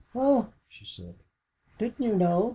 "Oh," she said, "didn't you know?